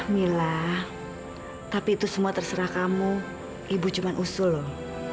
mila tapi itu semua terserah kamu ibu cuma usul loh